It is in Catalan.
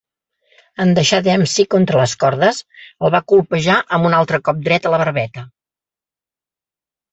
En deixar Dempsey contra les cordes, el va colpejar amb un altre cop dret a la barbeta.